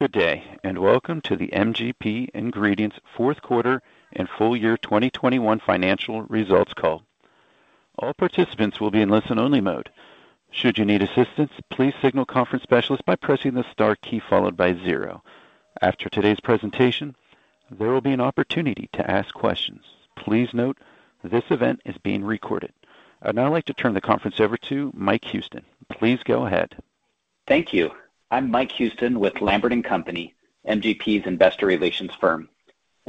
Good day, and welcome to the MGP Ingredients Q4 and Full Year 2021 financial results call. All participants will be in listen-only mode. Should you need assistance, please signal the conference specialist by pressing the star key followed by zero. After today's presentation, there will be an opportunity to ask questions. Please note this event is being recorded. I'd now like to turn the conference over to Mike Houston. Please go ahead. Thank you. I'm Mike Houston with Lambert & Co., MGP's investor relations firm.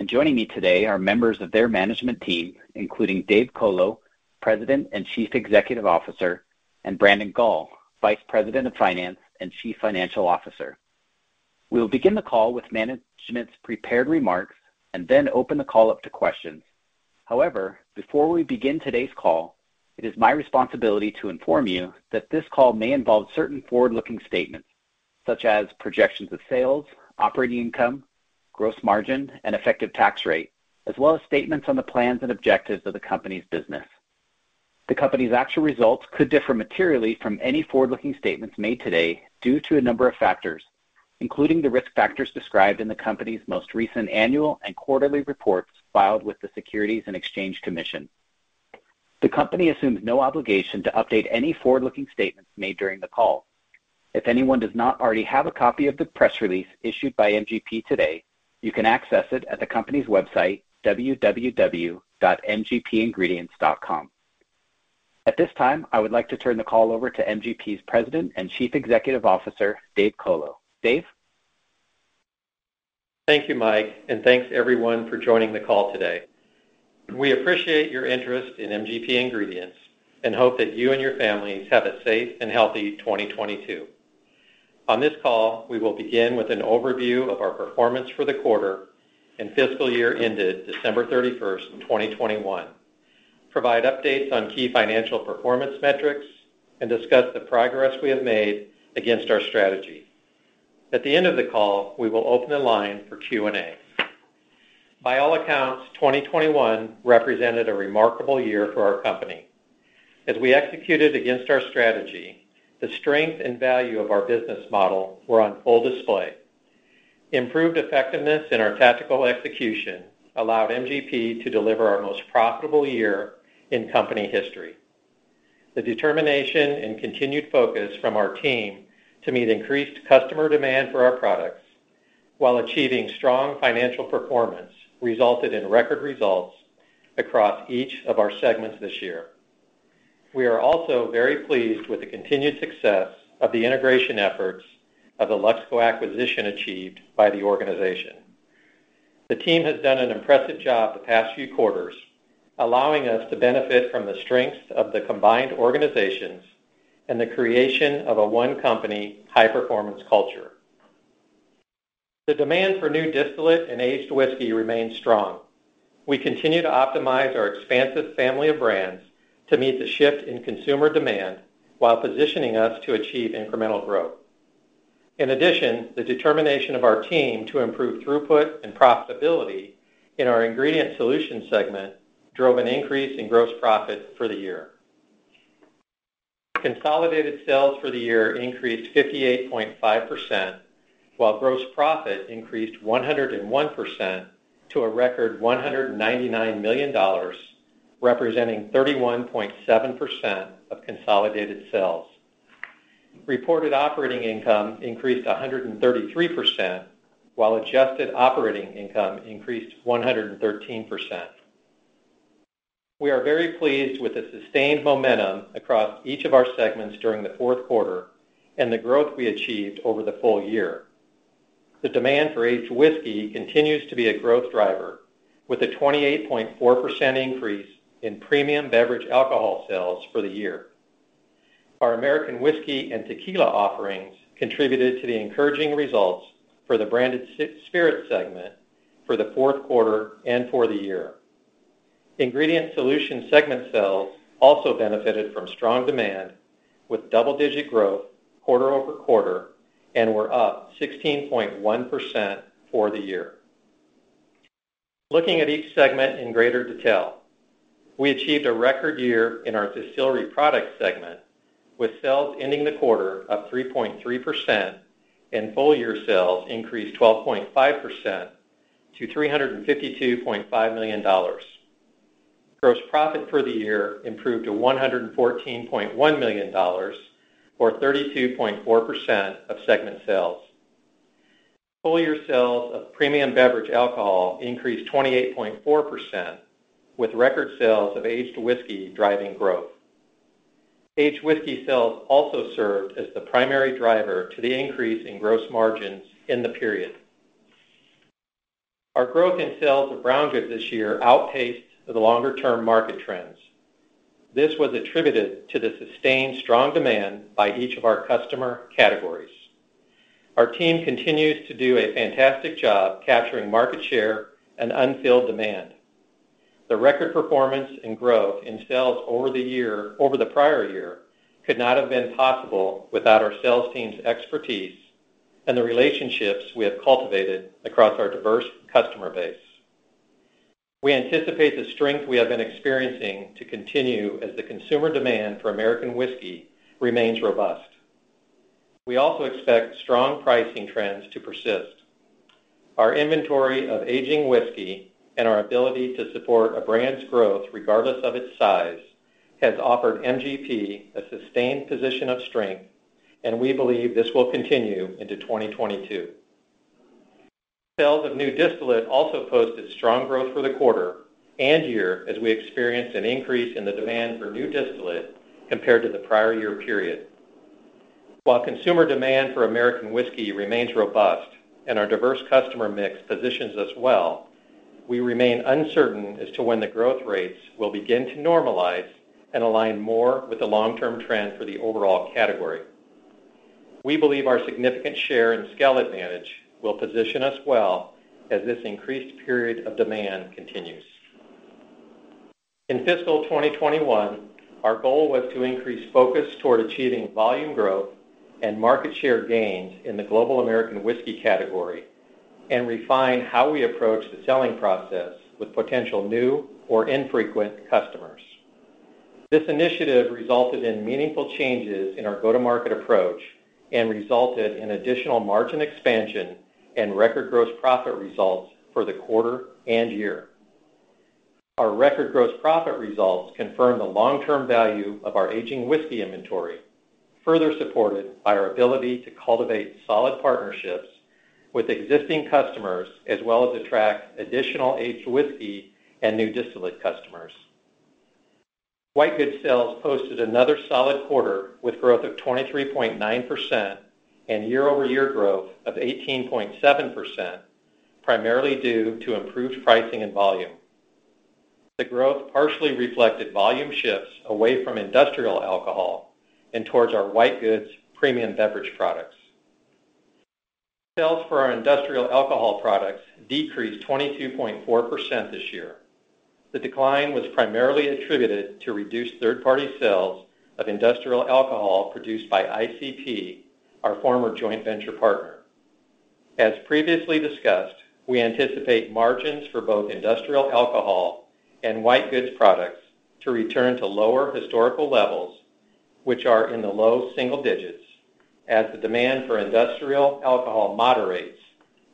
Joining me today are members of their management team, including Dave Colo, President and Chief Executive Officer, and Brandon Gall, Vice President of Finance and Chief Financial Officer. We'll begin the call with management's prepared remarks and then open the call up to questions. However, before we begin today's call, it is my responsibility to inform you that this call may involve certain forward-looking statements such as projections of sales, operating income, gross margin, and effective tax rate, as well as statements on the plans and objectives of the company's business. The company's actual results could differ materially from any forward-looking statements made today due to a number of factors, including the risk factors described in the company's most recent annual and quarterly reports filed with the Securities and Exchange Commission. The company assumes no obligation to update any forward-looking statements made during the call. If anyone does not already have a copy of the press release issued by MGP today, you can access it at the company's website, www.mgpingredients.com. At this time, I would like to turn the call over to MGP's President and Chief Executive Officer, Dave Colo. Dave? Thank you, Mike, and thanks everyone for joining the call today. We appreciate your interest in MGP Ingredients and hope that you and your families have a safe and healthy 2022. On this call, we will begin with an overview of our performance for the quarter and fiscal year ended December 31, 2021, provide updates on key financial performance metrics, and discuss the progress we have made against our strategy. At the end of the call, we will open the line for Q&A. By all accounts, 2021 represented a remarkable year for our company. As we executed against our strategy, the strength and value of our business model were on full display. Improved effectiveness in our tactical execution allowed MGP to deliver our most profitable year in company history. The determination and continued focus from our team to meet increased customer demand for our products while achieving strong financial performance resulted in record results across each of our segments this year. We are also very pleased with the continued success of the integration efforts of the Luxco acquisition achieved by the organization. The team has done an impressive job the past few quarters, allowing us to benefit from the strengths of the combined organizations and the creation of a one company high-performance culture. The demand for new distillate and aged whiskey remains strong. We continue to optimize our expansive family of brands to meet the shift in consumer demand while positioning us to achieve incremental growth. In addition, the determination of our team to improve throughput and profitability in our Ingredient Solutions segment drove an increase in gross profit for the year. Consolidated sales for the year increased 58.5%, while gross profit increased 101% to a record $199 million, representing 31.7% of consolidated sales. Reported operating income increased 133%, while adjusted operating income increased 113%. We are very pleased with the sustained momentum across each of our segments during the Q4 and the growth we achieved over the full year. The demand for aged whiskey continues to be a growth driver with a 28.4% increase in premium beverage alcohol sales for the year. Our American whiskey and tequila offerings contributed to the encouraging results for the branded spirit segment for the Q4 and for the year. Ingredient Solutions segment sales also benefited from strong demand with double-digit growth quarter-over-quarter and were up 16.1% for the year. Looking at each segment in greater detail, we achieved a record year in our Distillery Products segment with sales ending the quarter up 3.3% and full year sales increased 12.5% to $352.5 million. Gross profit for the year improved to $114.1 million or 32.4% of segment sales. Full year sales of premium beverage alcohol increased 28.4% with record sales of aged whiskey driving growth. Aged whiskey sales also served as the primary driver to the increase in gross margins in the period. Our growth in sales of brown goods this year outpaced the longer-term market trends. This was attributed to the sustained strong demand by each of our customer categories. Our team continues to do a fantastic job capturing market share and unfilled demand. The record performance and growth in sales over the prior year could not have been possible without our sales team's expertise and the relationships we have cultivated across our diverse customer base. We anticipate the strength we have been experiencing to continue as the consumer demand for American whiskey remains robust. We also expect strong pricing trends to persist. Our inventory of aging whiskey and our ability to support a brand's growth regardless of its size has offered MGP a sustained position of strength, and we believe this will continue into 2022. Sales of new distillate also posted strong growth for the quarter and year as we experienced an increase in the demand for new distillate compared to the prior year period. While consumer demand for American whiskey remains robust and our diverse customer mix positions us well, we remain uncertain as to when the growth rates will begin to normalize and align more with the long-term trend for the overall category. We believe our significant share and scale advantage will position us well as this increased period of demand continues. In fiscal 2021, our goal was to increase focus toward achieving volume growth and market share gains in the global American whiskey category and refine how we approach the selling process with potential new or infrequent customers. This initiative resulted in meaningful changes in our go-to-market approach and resulted in additional margin expansion and record gross profit results for the quarter and year. Our record gross profit results confirm the long-term value of our aging whiskey inventory, further supported by our ability to cultivate solid partnerships with existing customers, as well as attract additional aged whiskey and new distillate customers. White Goods sales posted another solid quarter with growth of 23.9% and year-over-year growth of 18.7%, primarily due to improved pricing and volume. The growth partially reflected volume shifts away from industrial alcohol and towards our White Goods premium beverage products. Sales for our industrial alcohol products decreased 22.4% this year. The decline was primarily attributed to reduced third-party sales of industrial alcohol produced by ICP, our former joint venture partner. As previously discussed, we anticipate margins for both industrial alcohol and White Goods products to return to lower historical levels, which are in the low single digits as the demand for industrial alcohol moderates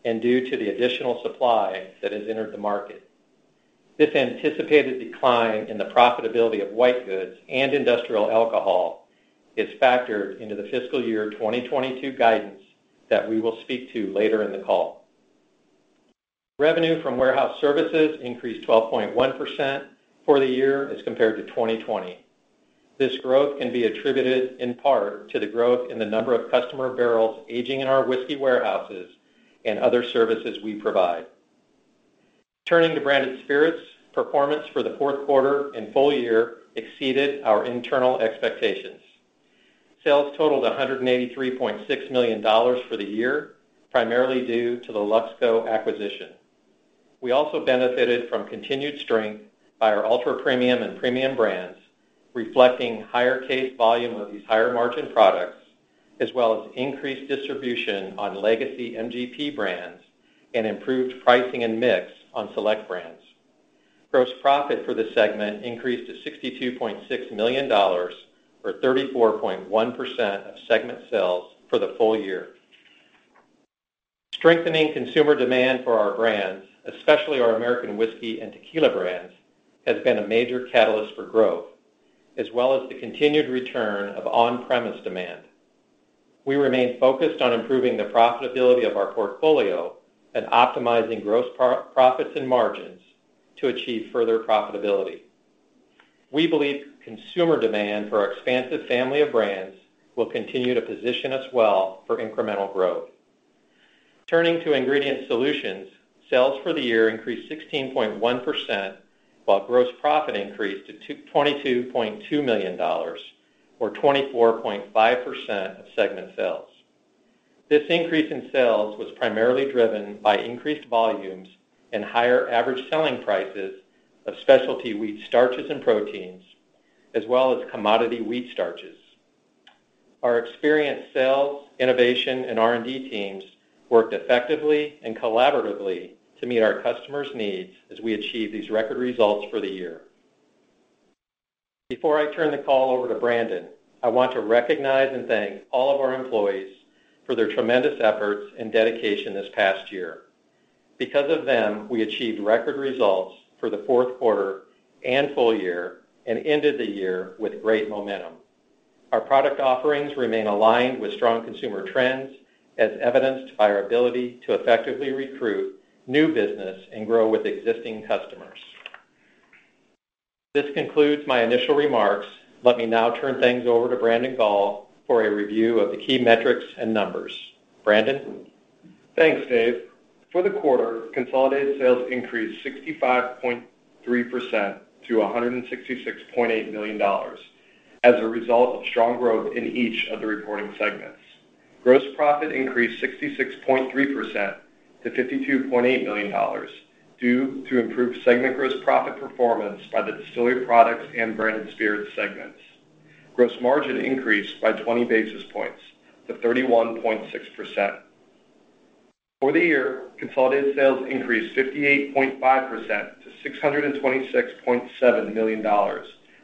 and due to the additional supply that has entered the market. This anticipated decline in the profitability of White Goods and industrial alcohol is factored into the fiscal year 2022 guidance that we will speak to later in the call. Revenue from warehouse services increased 12.1% for the year as compared to 2020. This growth can be attributed in part to the growth in the number of customer barrels aging in our whiskey warehouses and other services we provide. Turning to branded spirits, performance for the Q4 and full year exceeded our internal expectations. Sales totaled $183.6 million for the year, primarily due to the Luxco acquisition. We also benefited from continued strength by our ultra-premium and premium brands, reflecting higher case volume of these higher-margin products, as well as increased distribution on legacy MGP brands and improved pricing and mix on select brands. Gross profit for the segment increased to $62.6 million, or 34.1% of segment sales for the full year. Strengthening consumer demand for our brands, especially our American whiskey and tequila brands, has been a major catalyst for growth, as well as the continued return of on-premise demand. We remain focused on improving the profitability of our portfolio and optimizing gross profits and margins to achieve further profitability. We believe consumer demand for our expansive family of brands will continue to position us well for incremental growth. Turning to ingredient solutions, sales for the year increased 16.1%, while gross profit increased to $22.2 million, or 24.5% of segment sales. This increase in sales was primarily driven by increased volumes and higher average selling prices of specialty wheat starches and proteins, as well as commodity wheat starches. Our experienced sales, innovation, and R&D teams worked effectively and collaboratively to meet our customers' needs as we achieve these record results for the year. Before I turn the call over to Brandon, I want to recognize and thank all of our employees for their tremendous efforts and dedication this past year. Because of them, we achieved record results for the Q4 and full year and ended the year with great momentum. Our product offerings remain aligned with strong consumer trends, as evidenced by our ability to effectively recruit new business and grow with existing customers. This concludes my initial remarks. Let me now turn things over to Brandon Gall for a review of the key metrics and numbers. Brandon? Thanks, Dave. For the quarter, consolidated sales increased 65.3% to $166.8 million as a result of strong growth in each of the reporting segments. Gross profit increased 66.3% to $52.8 million due to improved segment gross profit performance by the distillery products and branded spirits segments. Gross margin increased by 20 basis points to 31.6%. For the year, consolidated sales increased 58.5% to $626.7 million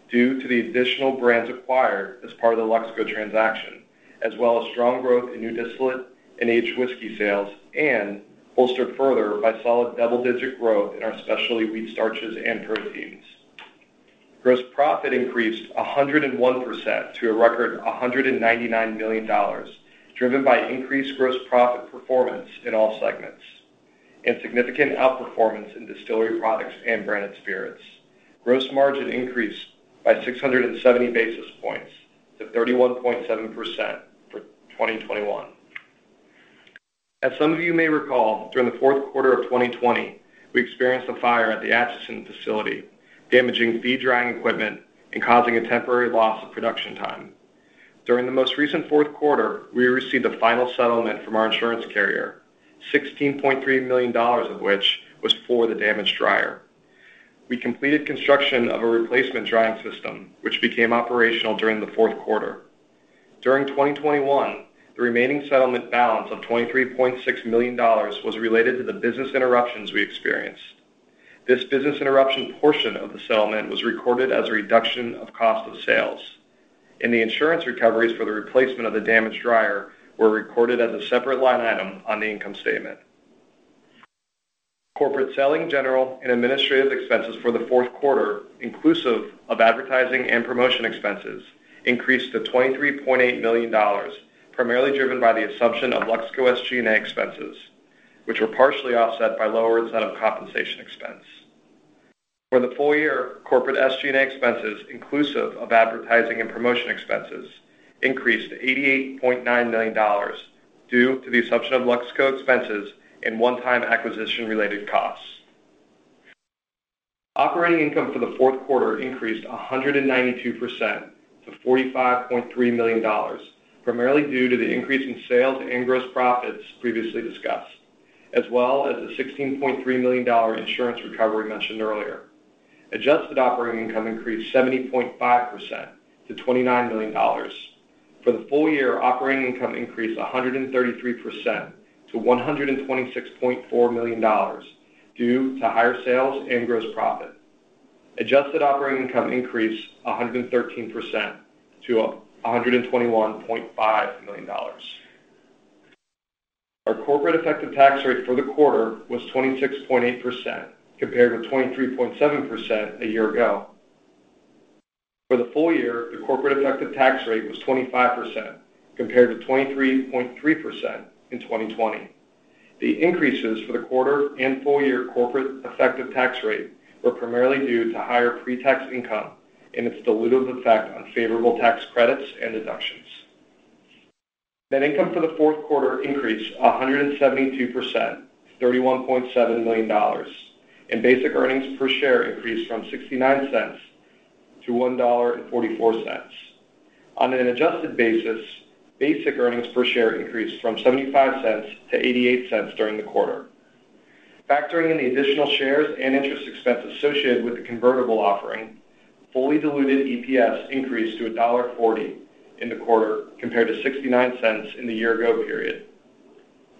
due to the additional brands acquired as part of the Luxco transaction, as well as strong growth in new distillate and aged whiskey sales, and bolstered further by solid double-digit growth in our specialty wheat starches and proteins. Gross profit increased 101% to a record $199 million, driven by increased gross profit performance in all segments and significant outperformance in distillery products and branded spirits. Gross margin increased by 670 basis points to 31.7% for 2021. As some of you may recall, during the Q4 of 2020, we experienced a fire at the Atchison facility, damaging feed drying equipment and causing a temporary loss of production time. During the most recent Q4, we received a final settlement from our insurance carrier, $16.3 million of which was for the damaged dryer. We completed construction of a replacement drying system, which became operational during the Q4. During 2021, the remaining settlement balance of $23.6 million was related to the business interruptions we experienced. This business interruption portion of the settlement was recorded as a reduction of cost of sales, and the insurance recoveries for the replacement of the damaged dryer were recorded as a separate line item on the income statement. Corporate selling, general, and administrative expenses for the Q4, inclusive of advertising and promotion expenses, increased to $23.8 million, primarily driven by the assumption of Luxco SG&A expenses, which were partially offset by lower incentive compensation expense. For the full year, corporate SG&A expenses, inclusive of advertising and promotion expenses, increased to $88.9 million due to the assumption of Luxco expenses and one-time acquisition-related costs. Operating income for the Q4 increased 192% to $45.3 million, primarily due to the increase in sales and gross profits previously discussed, as well as the $16.3 million insurance recovery mentioned earlier. Adjusted operating income increased 70.5% to $29 million. For the full year, operating income increased 133% to $126.4 million due to higher sales and gross profit. Adjusted operating income increased 113% to $121.5 million. Our corporate effective tax rate for the quarter was 26.8% compared to 23.7% a year ago. For the full year, the corporate effective tax rate was 25% compared to 23.3% in 2020. The increases for the quarter and full-year corporate effective tax rate were primarily due to higher pre-tax income and its dilutive effect on favorable tax credits and deductions. Net income for the Q4 increased 172% to $31.7 million, and basic earnings per share increased from $0.69-$1.44. On an adjusted basis, basic earnings per share increased from $0.75-$0.88 during the quarter. Factoring in the additional shares and interest expense associated with the convertible offering, fully diluted EPS increased to $1.40 in the quarter compared to $0.69 in the year-ago period.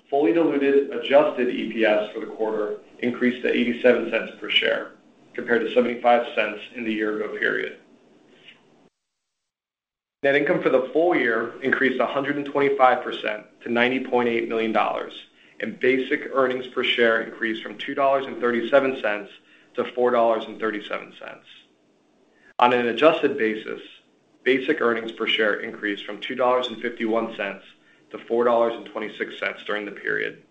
Fully diluted adjusted EPS for the quarter increased to $0.87 per share compared to $0.75 in the year-ago period. Net income for the full year increased 125% to $90.8 million, and basic earnings per share increased from $2.37-$4.37. On an adjusted basis, basic earnings per share increased from $2.51-$4.26 during the period.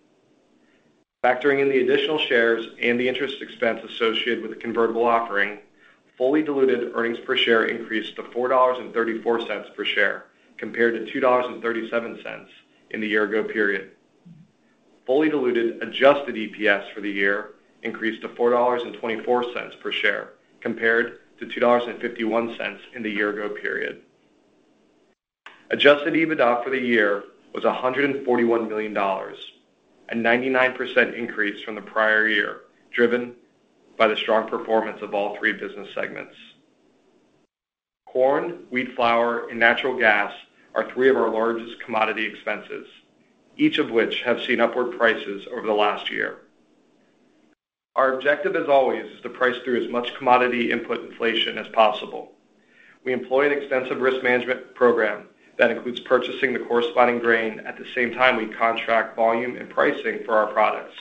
Factoring in the additional shares and the interest expense associated with the convertible offering, fully diluted earnings per share increased to $4.34 per share compared to $2.37 in the year ago period. Fully diluted adjusted EPS for the year increased to $4.24 per share compared to $2.51 in the year ago period. Adjusted EBITDA for the year was $141 million, a 99% increase from the prior year, driven by the strong performance of all three business segments. Corn, wheat flour, and natural gas are three of our largest commodity expenses, each of which have seen upward prices over the last year. Our objective, as always, is to price through as much commodity input inflation as possible. We employ an extensive risk management program that includes purchasing the corresponding grain at the same time we contract volume and pricing for our products.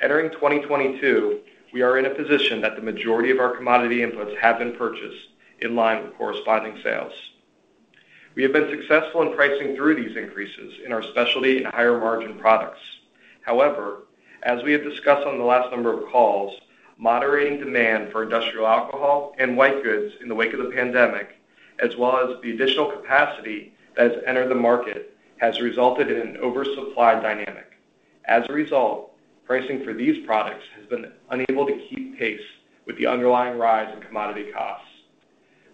Entering 2022, we are in a position that the majority of our commodity inputs have been purchased in line with corresponding sales. We have been successful in pricing through these increases in our specialty and higher margin products. However, as we have discussed on the last number of calls, moderating demand for industrial alcohol and white goods in the wake of the pandemic, as well as the additional capacity that has entered the market, has resulted in an oversupply dynamic. As a result, pricing for these products has been unable to keep pace with the underlying rise in commodity costs.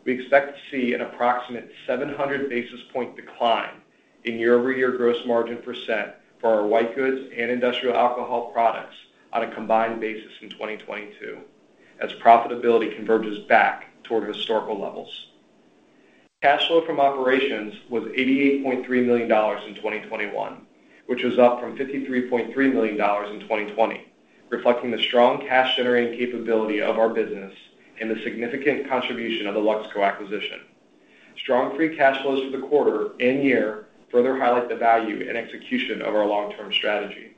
We expect to see an approximate 700 basis point decline in year-over-year gross margin percent for our white goods and industrial alcohol products on a combined basis in 2022 as profitability converges back toward historical levels. Cash flow from operations was $88.3 million in 2021, which was up from $53.3 million in 2020, reflecting the strong cash-generating capability of our business and the significant contribution of the Luxco acquisition. Strong free cash flows for the quarter and year further highlight the value and execution of our long-term strategy.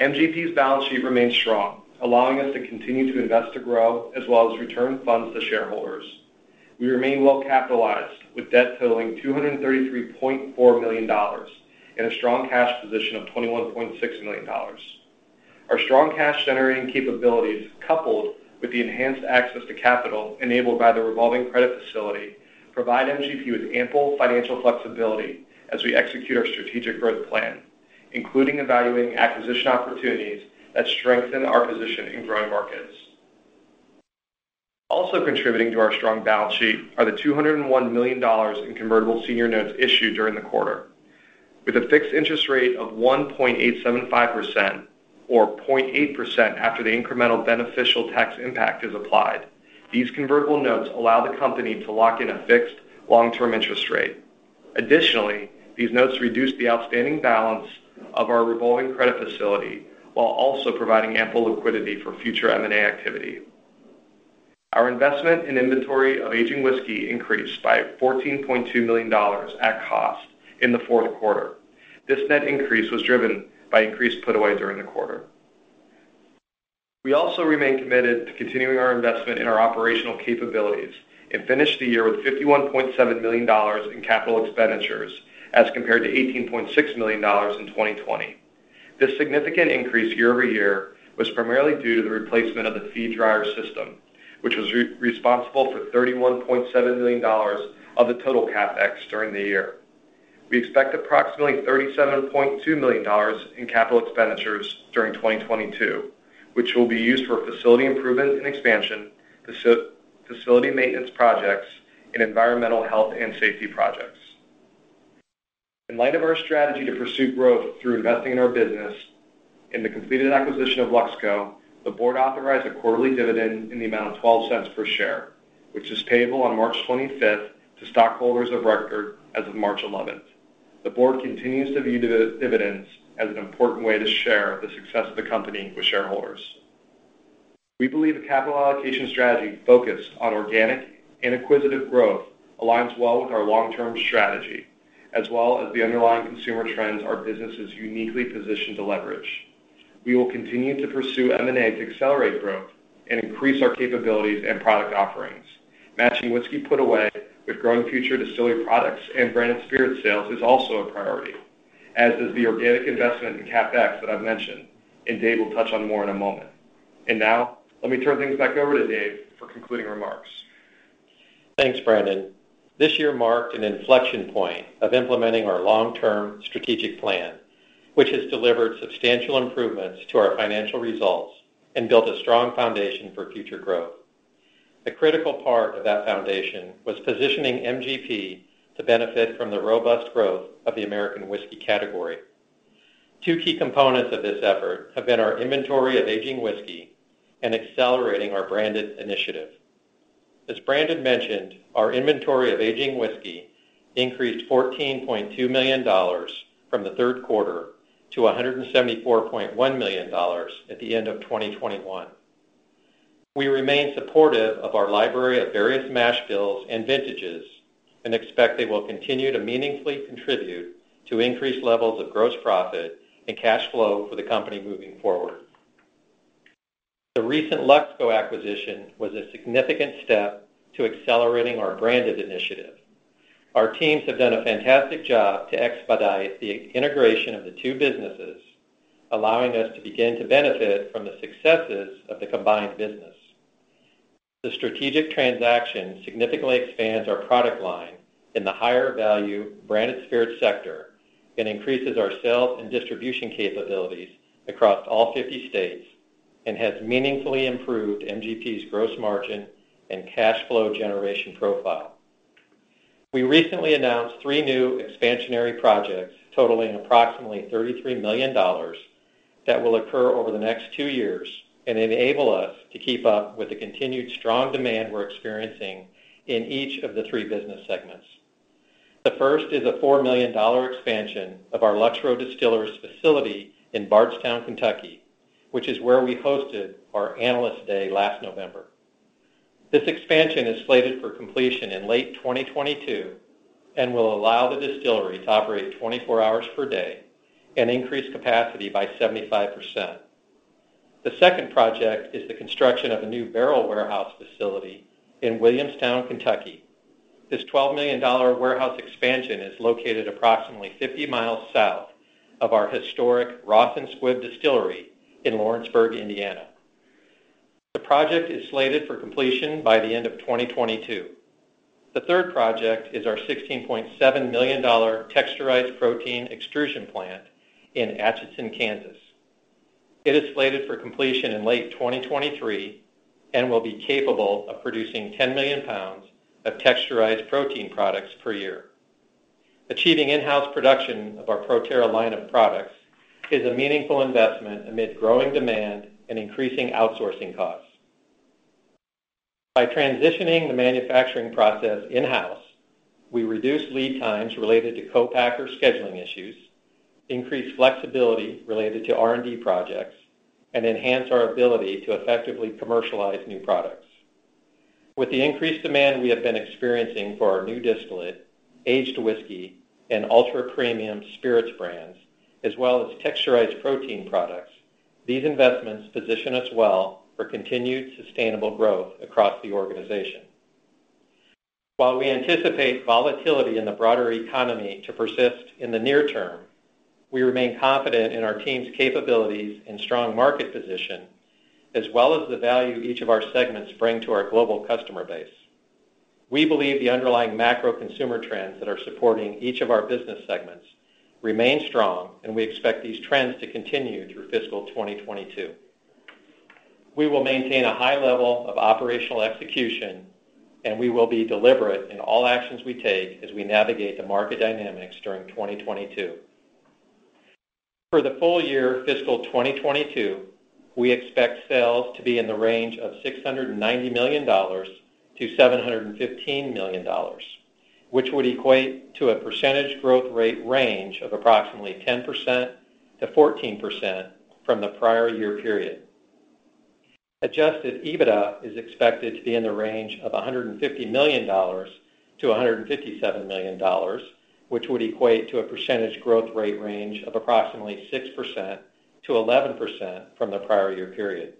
MGP's balance sheet remains strong, allowing us to continue to invest to grow as well as return funds to shareholders. We remain well-capitalized with debt totaling $233.4 million and a strong cash position of $21.6 million. Our strong cash-generating capabilities, coupled with the enhanced access to capital enabled by the revolving credit facility, provide MGP with ample financial flexibility as we execute our strategic growth plan, including evaluating acquisition opportunities that strengthen our position in growing markets. Also contributing to our strong balance sheet are the $201 million in convertible senior notes issued during the quarter. With a fixed interest rate of 1.875% or 0.8% after the incremental beneficial tax impact is applied, these convertible notes allow the company to lock in a fixed long-term interest rate. Additionally, these notes reduce the outstanding balance of our revolving credit facility while also providing ample liquidity for future M&A activity. Our investment in inventory of aging whiskey increased by $14.2 million at cost in the Q4. This net increase was driven by increased put away during the quarter. We also remain committed to continuing our investment in our operational capabilities and finished the year with $51.7 million in capital expenditures as compared to $18.6 million in 2020. This significant increase year-over-year was primarily due to the replacement of the feed dryer system, which was responsible for $31.7 million of the total CapEx during the year. We expect approximately $37.2 million in capital expenditures during 2022, which will be used for facility improvement and expansion, facility maintenance projects, and environmental health and safety projects. In light of our strategy to pursue growth through investing in our business, in the completed acquisition of Luxco, the board authorized a quarterly dividend in the amount of $0.12 per share, which is payable on March 25th to stockholders of record as of March 11th. The board continues to view dividends as an important way to share the success of the company with shareholders. We believe a capital allocation strategy focused on organic and acquisitive growth aligns well with our long-term strategy, as well as the underlying consumer trends our business is uniquely positioned to leverage. We will continue to pursue M&A to accelerate growth and increase our capabilities and product offerings. Matching whiskey put away with growing future distillery products and branded spirit sales is also a priority, as is the organic investment in CapEx that I've mentioned, and Dave will touch on more in a moment. Now, let me turn things back over to Dave for concluding remarks. Thanks, Brandon. This year marked an inflection point of implementing our long-term strategic plan, which has delivered substantial improvements to our financial results and built a strong foundation for future growth. A critical part of that foundation was positioning MGP to benefit from the robust growth of the American whiskey category. Two key components of this effort have been our inventory of aging whiskey and accelerating our branded initiative. As Brandon mentioned, our inventory of aging whiskey increased $14.2 million from the Q3 to $174.1 million at the end of 2021. We remain supportive of our library of various mash bills and vintages and expect they will continue to meaningfully contribute to increased levels of gross profit and cash flow for the company moving forward. The recent Luxco acquisition was a significant step to accelerating our branded initiative. Our teams have done a fantastic job to expedite the integration of the two businesses, allowing us to begin to benefit from the successes of the combined business. The strategic transaction significantly expands our product line in the higher-value branded spirits sector and increases our sales and distribution capabilities across all 50 states and has meaningfully improved MGP's gross margin and cash flow generation profile. We recently announced three new expansionary projects totaling approximately $33 million that will occur over the next two years and enable us to keep up with the continued strong demand we're experiencing in each of the three business segments. The first is a $4 million expansion of our Lux Row Distillers facility in Bardstown, Kentucky, which is where we hosted our Analyst Day last November. This expansion is slated for completion in late 2022 and will allow the distillery to operate 24 hours per day and increase capacity by 75%. The second project is the construction of a new barrel warehouse facility in Williamstown, Kentucky. This $12 million warehouse expansion is located approximately 50 miles south of our historic Ross & Squibb distillery in Lawrenceburg, Indiana. The project is slated for completion by the end of 2022. The third project is our $16.7 million textured protein extrusion plant in Atchison, Kansas. It is slated for completion in late 2023 and will be capable of producing 10 million pounds of textured protein products per year. Achieving in-house production of our ProTerra line of products is a meaningful investment amid growing demand and increasing outsourcing costs. By transitioning the manufacturing process in-house, we reduce lead times related to co-packer scheduling issues, increase flexibility related to R&D projects, and enhance our ability to effectively commercialize new products. With the increased demand we have been experiencing for our new distillate, aged whiskey, and ultra-premium spirits brands, as well as texturized protein products, these investments position us well for continued sustainable growth across the organization. While we anticipate volatility in the broader economy to persist in the near term, we remain confident in our team's capabilities and strong market position, as well as the value each of our segments bring to our global customer base. We believe the underlying macro consumer trends that are supporting each of our business segments remain strong, and we expect these trends to continue through fiscal 2022. We will maintain a high level of operational execution, and we will be deliberate in all actions we take as we navigate the market dynamics during 2022. For the full year fiscal 2022, we expect sales to be in the range of $690 million-$715 million, which would equate to a percentage growth rate range of approximately 10%-14% from the prior year period. Adjusted EBITDA is expected to be in the range of $150 million-$157 million, which would equate to a percentage growth rate range of approximately 6%-11% from the prior year period.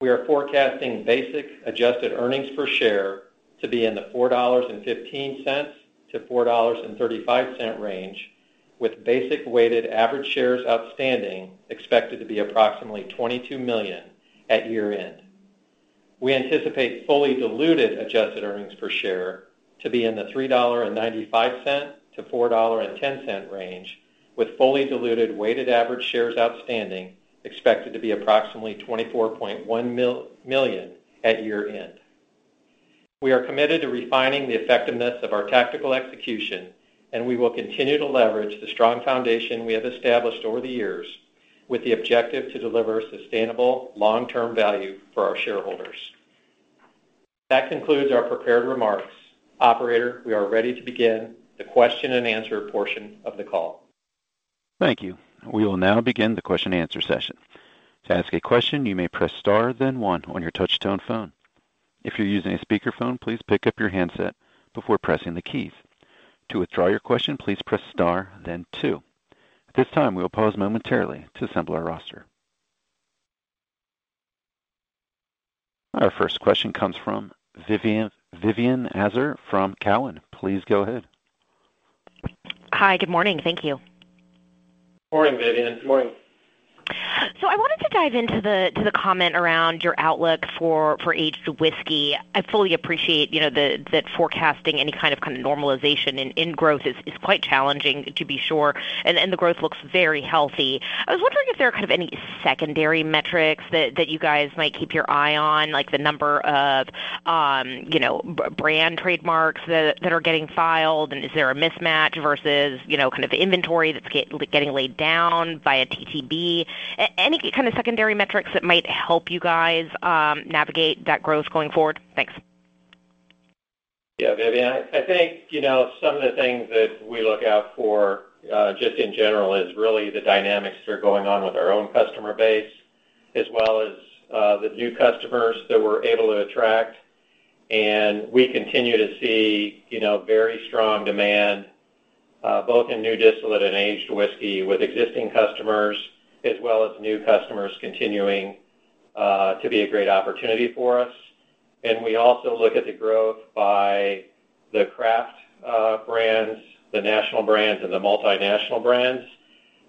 We are forecasting basic adjusted earnings per share to be in the $4.15-$4.35 range, with basic weighted average shares outstanding expected to be approximately 22 million at year-end. We anticipate fully diluted adjusted earnings per share to be in the $3.95-$4.10 range, with fully diluted weighted average shares outstanding expected to be approximately $24.1 million at year-end. We are committed to refining the effectiveness of our tactical execution, and we will continue to leverage the strong foundation we have established over the years with the objective to deliver sustainable long-term value for our shareholders. That concludes our prepared remarks. Operator, we are ready to begin the question-and-answer portion of the call. Thank you. We will now begin the question-and-answer session. To ask a question, you may press star then one on your touch-tone phone. If you're using a speakerphone, please pick up your handset before pressing the keys. To withdraw your question, please press star then two. At this time, we'll pause momentarily to assemble our roster. Our first question comes from Vivien Azer from Cowen. Please go ahead. Hi. Good morning. Thank you. Morning, Vivian. Morning. I wanted to dive into the comment around your outlook for aged whiskey. I fully appreciate, you know, that forecasting any kind of normalization in growth is quite challenging to be sure, and the growth looks very healthy. I was wondering if there are kind of any secondary metrics that you guys might keep your eye on, like the number of, you know, brand trademarks that are getting filed, and is there a mismatch versus, you know, kind of the inventory that's getting laid down via TTB? Any kind of secondary metrics that might help you guys navigate that growth going forward? Thanks. Yeah, Vivien, I think, you know, some of the things that we look out for just in general is really the dynamics that are going on with our own customer base as well as the new customers that we're able to attract. We continue to see, you know, very strong demand both in new distillate and aged whiskey with existing customers as well as new customers continuing to be a great opportunity for us. We also look at the growth by the craft brands, the national brands, and the multinational brands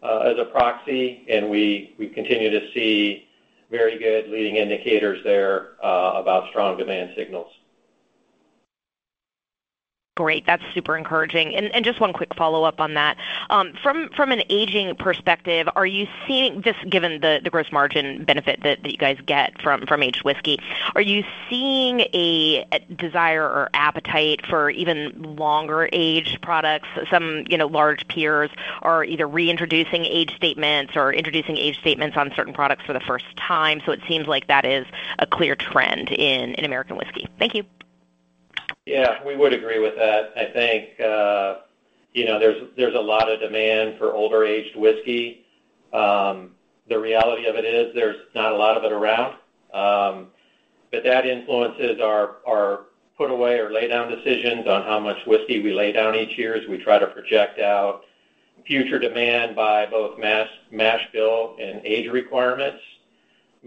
as a proxy, and we continue to see very good leading indicators there about strong demand signals. Great. That's super encouraging. Just one quick follow-up on that. Just given the gross margin benefit that you guys get from aged whiskey, are you seeing a desire or appetite for even longer-aged products? Some, you know, large peers are either reintroducing age statements or introducing age statements on certain products for the first time, so it seems like that is a clear trend in American whiskey. Thank you. Yeah, we would agree with that. I think, you know, there's a lot of demand for older aged whiskey. The reality of it is there's not a lot of it around. That influences our put away or lay down decisions on how much whiskey we lay down each year as we try to project out future demand by both mash bill and age requirements.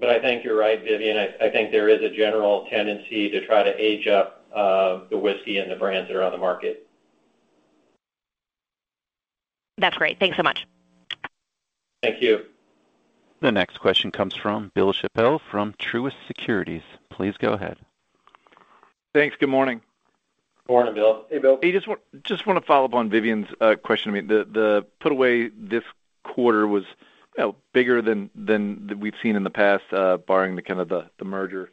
I think you're right, Vivian. I think there is a general tendency to try to age up the whiskey and the brands that are on the market. That's great. Thanks so much. Thank you. The next question comes from Bill Chappell from Truist Securities. Please go ahead. Thanks. Good morning. Morning, Bill. Hey, Bill. I just wanna follow up on Vivian's question. I mean, the put away this quarter was, you know, bigger than we've seen in the past, barring the kind of merger.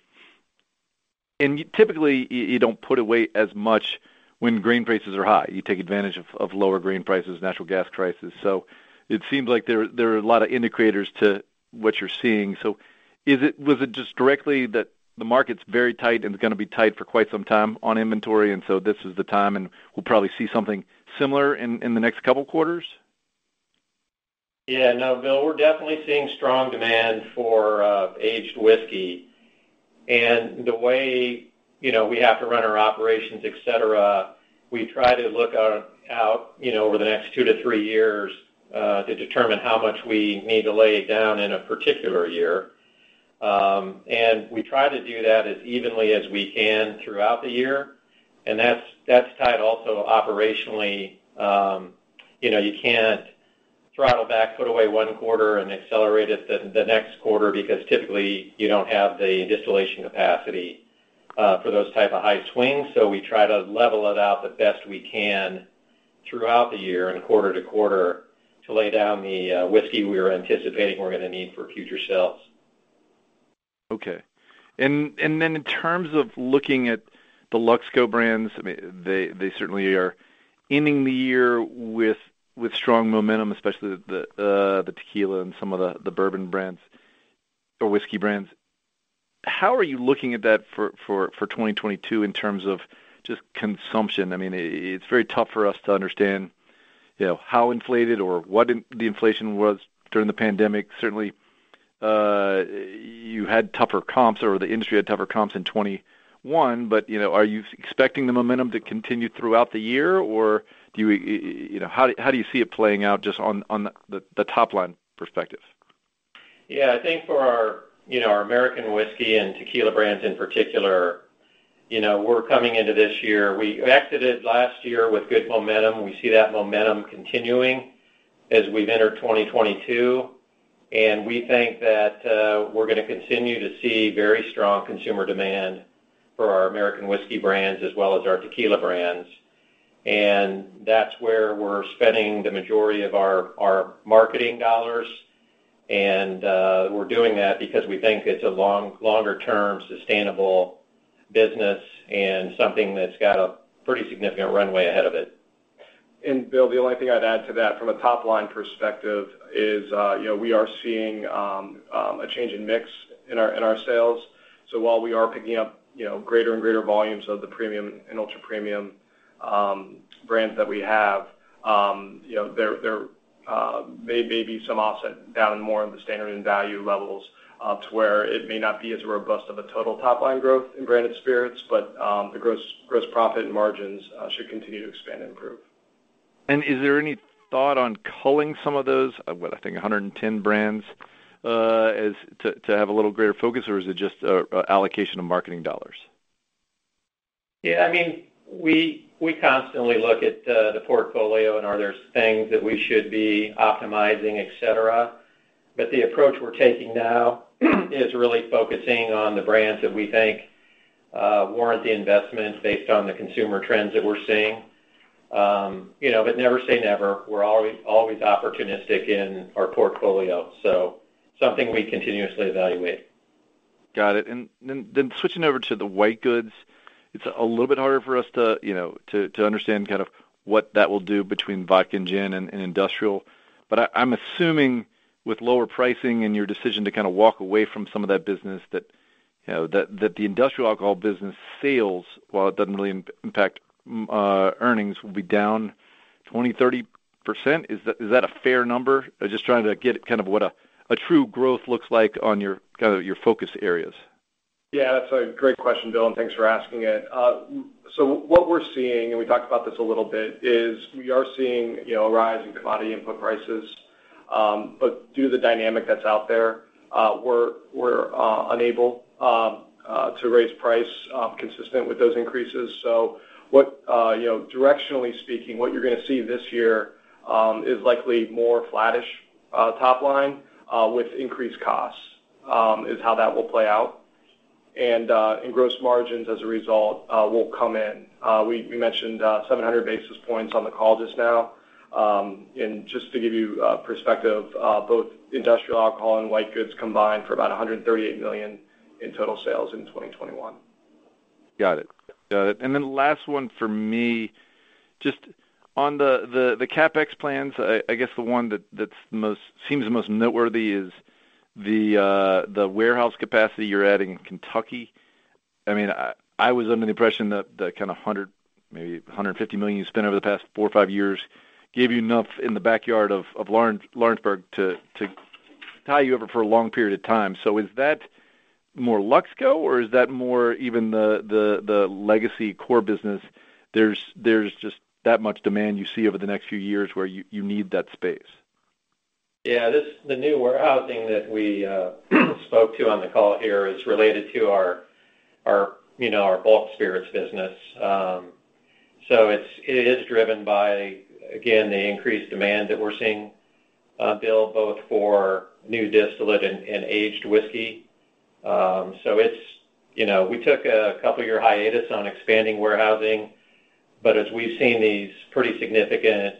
Typically, you don't put away as much when grain prices are high. You take advantage of lower grain prices, natural gas prices. It seems like there are a lot of indicators to what you're seeing. Is it just directly that the market's very tight, and it's gonna be tight for quite some time on inventory, and so this is the time, and we'll probably see something similar in the next couple quarters? Yeah. No, Bill, we're definitely seeing strong demand for aged whiskey. The way, you know, we have to run our operations, et cetera, we try to look out over the next 2-3 years to determine how much we need to lay down in a particular year. We try to do that as evenly as we can throughout the year, and that's tied also operationally. You know, you can't throttle back, put away one quarter, and accelerate it the next quarter because typically you don't have the distillation capacity for those type of high swings. We try to level it out the best we can throughout the year and quarter to quarter to lay down the whiskey we are anticipating we're gonna need for future sales. Okay. In terms of looking at the Luxco brands, I mean, they certainly are ending the year with strong momentum, especially the tequila and some of the bourbon brands or whiskey brands. How are you looking at that for 2022 in terms of just consumption? I mean, it's very tough for us to understand, you know, how inflated or what the inflation was during the pandemic. Certainly, you had tougher comps or the industry had tougher comps in 2021. You know, are you expecting the momentum to continue throughout the year, or do you you know. How do you see it playing out just on the top line perspective? Yeah. I think for our, you know, our American whiskey and tequila brands in particular, you know, we're coming into this year. We exited last year with good momentum. We see that momentum continuing as we've entered 2022, and we think that, we're gonna continue to see very strong consumer demand for our American whiskey brands as well as our tequila brands. That's where we're spending the majority of our marketing dollars. We're doing that because we think it's a longer-term sustainable business and something that's got a pretty significant runway ahead of it. Bill, the only thing I'd add to that from a top line perspective is, you know, we are seeing a change in mix in our sales. While we are picking up, you know, greater and greater volumes of the premium and ultra-premium brands that we have, you know, there may be some offset down more in the standard and value levels to where it may not be as robust of a total top line growth in branded spirits. The gross profit margins should continue to expand and improve. Is there any thought on culling some of those, what I think 110 brands, as to have a little greater focus, or is it just allocation of marketing dollars? Yeah, I mean, we constantly look at the portfolio and are there things that we should be optimizing, et cetera. The approach we're taking now is really focusing on the brands that we think warrant the investment based on the consumer trends that we're seeing. You know, but never say never. We're always opportunistic in our portfolio, so something we continuously evaluate. Got it. Switching over to the white goods, it's a little bit harder for us to, you know, understand kind of what that will do between vodka and gin and industrial. I'm assuming with lower pricing and your decision to kind of walk away from some of that business that, you know, the industrial alcohol business sales, while it doesn't really impact earnings, will be down 20%-30%. Is that a fair number? Just trying to get kind of what a true growth looks like on your focus areas. Yeah, that's a great question, Bill, and thanks for asking it. What we're seeing, and we talked about this a little bit, is we are seeing, you know, a rise in commodity input prices. Due to the dynamic that's out there, we're unable to raise price consistent with those increases. What, you know, directionally speaking, what you're gonna see this year is likely more flattish top line with increased costs is how that will play out. Gross margins as a result will come in. We mentioned 700 basis points on the call just now. Just to give you perspective, both industrial alcohol and white goods combined for about $138 million in total sales in 2021. Got it. Last one for me, just on the CapEx plans. I guess the one that seems the most noteworthy is the warehouse capacity you're adding in Kentucky. I mean, I was under the impression that the kind of $100 million, maybe $150 million you spent over the past four or five years gave you enough in the backyard of Lawrenceburg to tie you over for a long period of time. Is that more Luxco, or is that more even the legacy core business? There's just that much demand you see over the next few years where you need that space. Yeah. This new warehousing that we spoke to on the call here is related to our, you know, our bulk spirits business. It's it is driven by again the increased demand that we're seeing, Bill, both for new distillate and aged whiskey. It's, you know, we took a couple year hiatus on expanding warehousing. As we've seen these pretty significant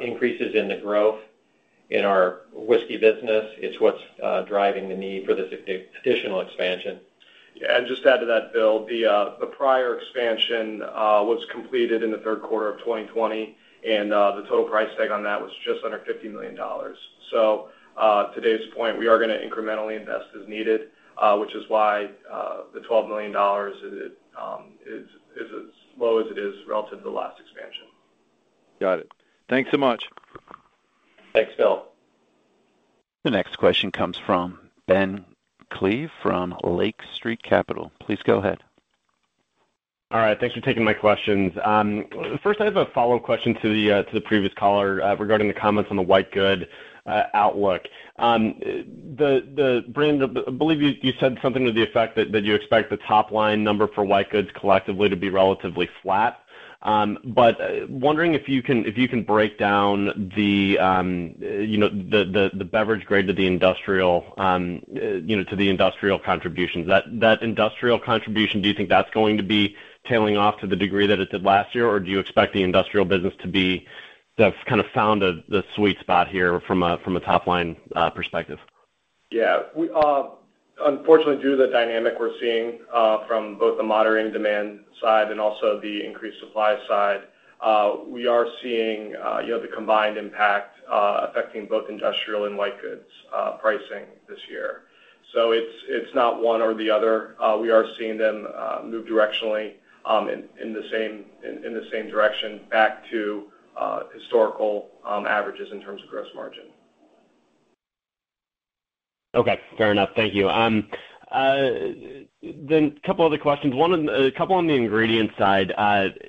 increases in the growth in our whiskey business, it's what's driving the need for this additional expansion. Yeah. Just to add to that, Bill, the prior expansion was completed in the third quarter of 2020, and the total price tag on that was just under $50 million. At this point, we are gonna incrementally invest as needed, which is why the $12 million is as low as it is relative to the last expansion. Got it. Thanks so much. Thanks, Bill. The next question comes from Ben Klieve from Lake Street Capital Markets. Please go ahead. All right. Thanks for taking my questions. First I have a follow question to the previous caller regarding the comments on the white goods outlook. I believe you said something to the effect that you expect the top line number for white goods collectively to be relatively flat. Wondering if you can break down the beverage grade to the industrial contributions. That industrial contribution, do you think that's going to be tailing off to the degree that it did last year, or do you expect the industrial business to have found the sweet spot here from a top line perspective? Yeah. We unfortunately, due to the dynamic we're seeing from both the moderating demand side and also the increased supply side, we are seeing you know, the combined impact affecting both industrial and white goods pricing this year. So it's not one or the other. We are seeing them move directionally in the same direction back to historical averages in terms of gross margin. Okay. Fair enough. Thank you. Then couple other questions. A couple on the ingredient side.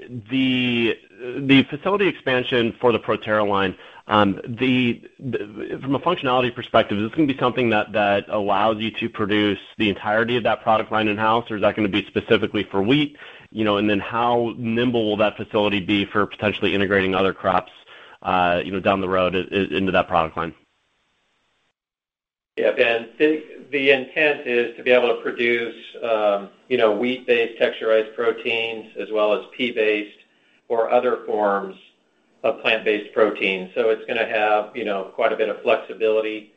The facility expansion for the ProTerra line. From a functionality perspective, is this gonna be something that allows you to produce the entirety of that product line in-house, or is that gonna be specifically for wheat? You know, and then how nimble will that facility be for potentially integrating other crops, you know, down the road into that product line? Yeah, Ben, the intent is to be able to produce, you know, wheat-based textured proteins as well as pea-based or other forms of plant-based protein. It's gonna have, you know, quite a bit of flexibility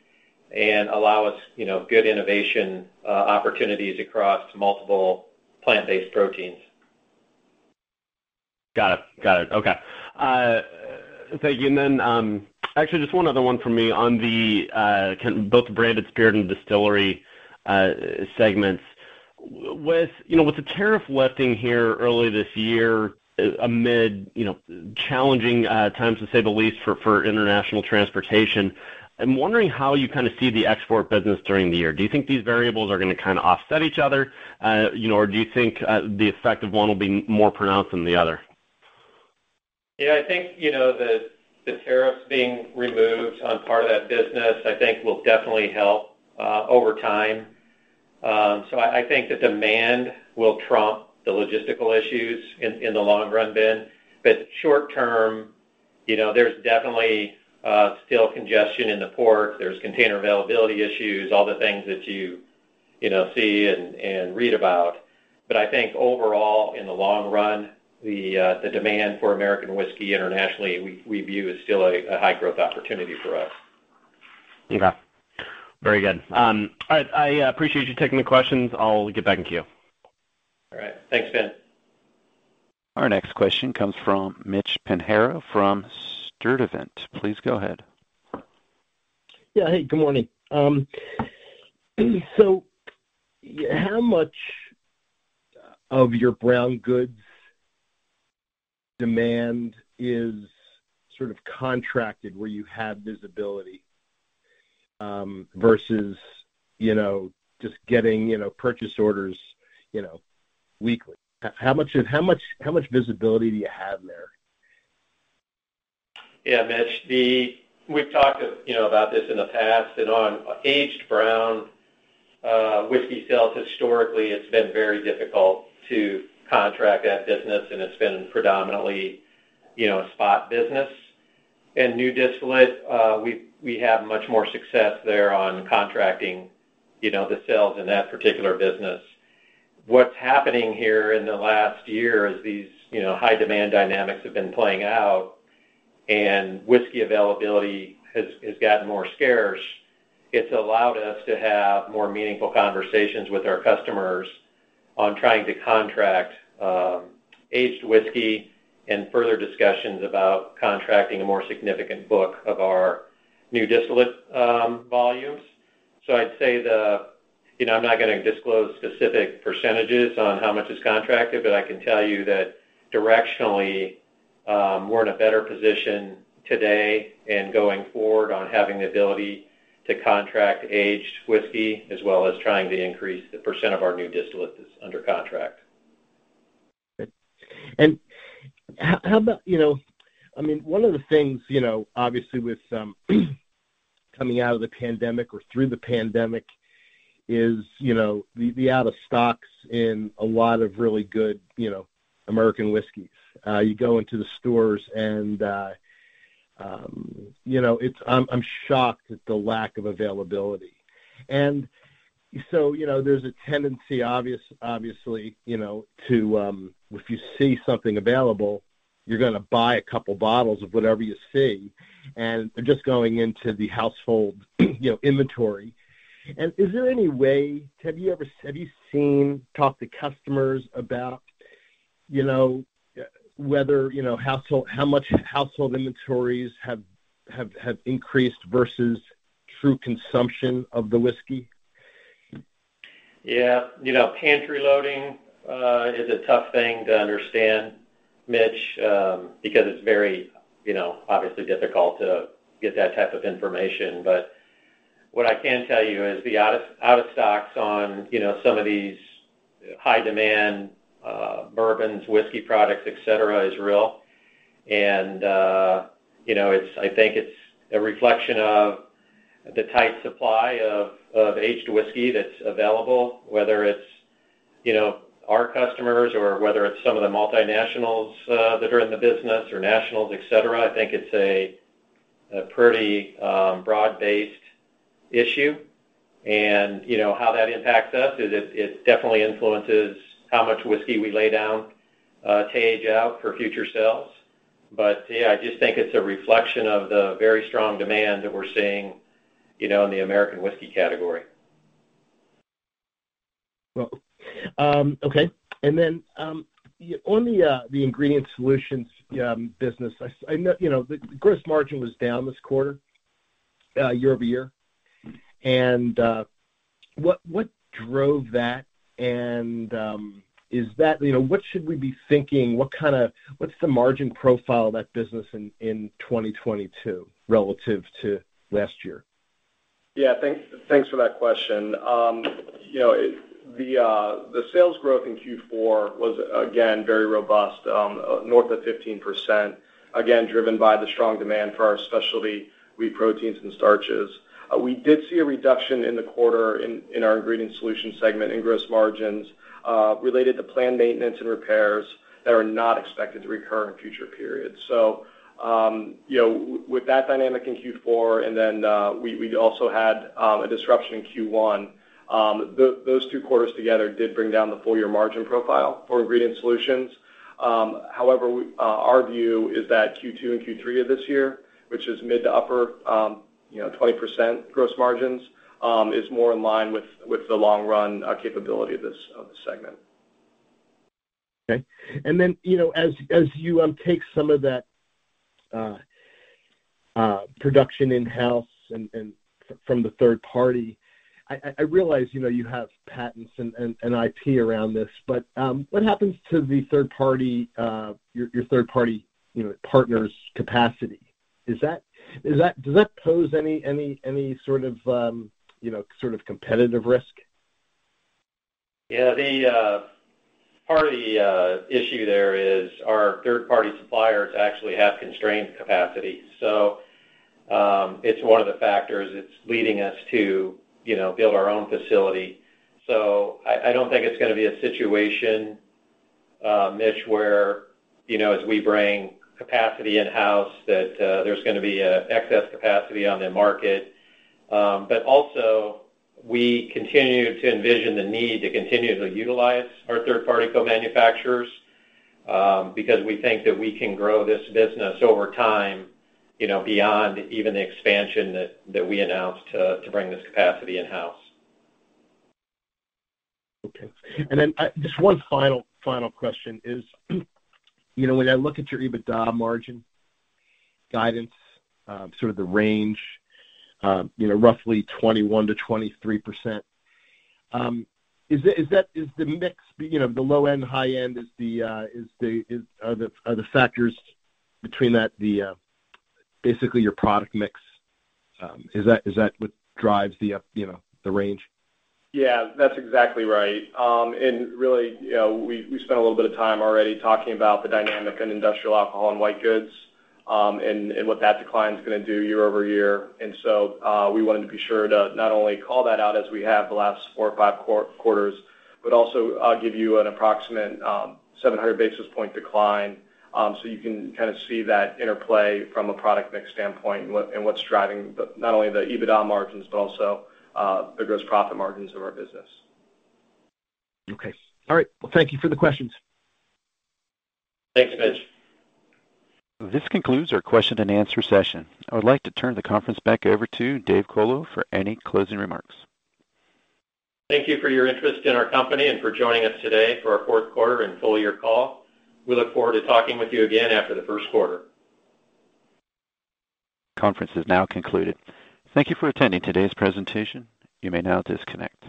and allow us, you know, good innovation opportunities across multiple plant-based proteins. Got it. Okay. Thank you. Actually just one other one from me on both the branded spirit and distillery segments. With, you know, with the tariff lifting here earlier this year amid, you know, challenging times, to say the least, for international transportation, I'm wondering how you kind of see the export business during the year. Do you think these variables are gonna kind of offset each other, you know, or do you think the effect of one will be more pronounced than the other? Yeah, I think, you know, the tariffs being removed on part of that business, I think will definitely help over time. So I think the demand will trump the logistical issues in the long run, Ben. But short term, you know, there's definitely still congestion in the port. There's container availability issues, all the things that you know see and read about. But I think overall, in the long run, the demand for American whiskey internationally, we view as still a high growth opportunity for us. Okay. Very good. All right. I appreciate you taking the questions. I'll get back in queue. All right. Thanks, Ben. Our next question comes from Mitch Pinheiro from Sturdivant. Please go ahead. Yeah. Hey, good morning. How much of your brown goods demand is sort of contracted where you have visibility, versus, you know, just getting, you know, purchase orders, you know, weekly? How much visibility do you have there? Yeah, Mitch. We've talked, you know, about this in the past, and on aged brown whiskey sales, historically, it's been very difficult to contract that business, and it's been predominantly, you know, a spot business. In new distillate, we have much more success there on contracting, you know, the sales in that particular business. What's happening here in the last year is these, you know, high demand dynamics have been playing out, and whiskey availability has gotten more scarce. It's allowed us to have more meaningful conversations with our customers on trying to contract aged whiskey and further discussions about contracting a more significant book of our new distillate volumes. So I'd say the. You know, I'm not gonna disclose specific percentages on how much is contracted, but I can tell you that directionally, we're in a better position today and going forward on having the ability to contract aged whiskey as well as trying to increase the % of our new distillate that's under contract. How about, you know, I mean, one of the things, you know, obviously with coming out of the pandemic or through the pandemic, is, you know, the out of stocks in a lot of really good, you know, American whiskey. You go into the stores and, you know, it's. I'm shocked at the lack of availability. There's a tendency, obviously, you know, to, if you see something available, you're gonna buy a couple bottles of whatever you see, and just going into the household, you know, inventory. Is there any way. Have you talked to customers about, you know, whether, you know, household how much household inventories have increased versus true consumption of the whiskey? Yeah. You know, pantry loading is a tough thing to understand, Mitch, because it's very, you know, obviously difficult to get that type of information. What I can tell you is the out-of-stocks on, you know, some of these high-demand bourbons, whiskey products, et cetera, is real. You know, I think it's a reflection of the tight supply of aged whiskey that's available, whether it's, you know, our customers or whether it's some of the multinationals that are in the business or nationals, et cetera. I think it's a pretty broad-based issue. You know, how that impacts us is it definitely influences how much whiskey we lay down to age out for future sales. Yeah, I just think it's a reflection of the very strong demand that we're seeing, you know, in the American whiskey category. Well, okay. On the Ingredient Solutions business, I know, you know, the gross margin was down this quarter, year-over-year. What drove that? Is that? You know, what should we be thinking? What's the margin profile of that business in 2022 relative to last year? Yeah. Thanks for that question. You know, the sales growth in Q4 was again very robust, north of 15%, again driven by the strong demand for our specialty wheat proteins and starches. We did see a reduction in the quarter in our ingredient solution segment in gross margins, related to planned maintenance and repairs that are not expected to recur in future periods. You know, with that dynamic in Q4, and then we also had a disruption in Q1, those two quarters together did bring down the full year margin profile for ingredient solutions. However, our view is that Q2 and Q3 of this year, which is mid- to upper-20% gross margins, is more in line with the long-run capability of this segment. Okay. Then, you know, as you take some of that production in-house and from the third party, I realize, you know, you have patents and IP around this, but what happens to the third party, your third party, you know, partner's capacity? Does that pose any sort of, you know, sort of competitive risk? Yeah. The part of the issue there is our third party suppliers actually have constrained capacity. It's one of the factors it's leading us to, you know, build our own facility. I don't think it's gonna be a situation, Mitch, where, you know, as we bring capacity in-house that, there's gonna be a excess capacity on the market. But also we continue to envision the need to continue to utilize our third party co-manufacturers, because we think that we can grow this business over time, you know, beyond even the expansion that we announced to bring this capacity in-house. Okay. Just one final question is, you know, when I look at your EBITDA margin guidance, sort of the range, you know, roughly 21%-23%, is that the mix, you know, the low end, high end are the factors between that basically your product mix? Is that what drives the upside, you know, the range? Yeah, that's exactly right. Really, you know, we spent a little bit of time already talking about the dynamic in industrial alcohol and white goods, and what that decline's gonna do year-over-year. We wanted to be sure to not only call that out as we have the last four or five quarters, but also give you an approximate 700 basis point decline, so you can kind of see that interplay from a product mix standpoint and what's driving not only the EBITDA margins, but also the gross profit margins of our business. Okay. All right. Well, thank you for the questions. Thanks, Mitch. This concludes our question and answer session. I would like to turn the conference back over to Dave Colo for any closing remarks. Thank you for your interest in our company and for joining us today for our Q4 and full year call. We look forward to talking with you again after the first quarter. Conference is now concluded. Thank you for attending today's presentation. You may now disconnect.